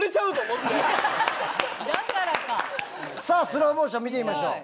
スローモーション見てみましょう。